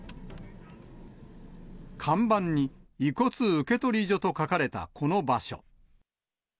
看板に、遺骨受け取り所と書かれたこの場所。